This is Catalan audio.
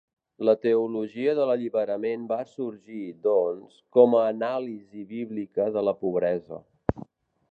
La teologia de l'alliberament va sorgir, doncs, com a anàlisi bíblica de la pobresa.